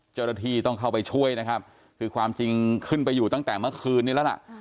เจ้าหน้าที่ต้องเข้าไปช่วยนะครับคือความจริงขึ้นไปอยู่ตั้งแต่เมื่อคืนนี้แล้วล่ะ